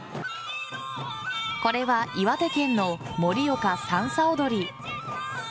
これは岩手県の盛岡さんさ踊り。